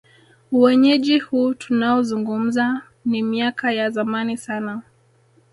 Uenyeji huu tunaouzungumza ni miaka ya zamani sana